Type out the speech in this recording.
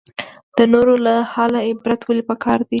د نورو له حاله عبرت ولې پکار دی؟